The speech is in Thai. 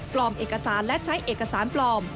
เอกสารและใช้เอกสารปลอม